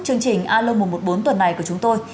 chương trình alo một trăm một mươi bốn tuần này của chúng tôi